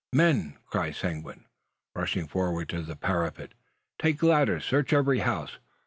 "Men!" cries Seguin, rushing forward to the parapet, "take ladders! Search every house!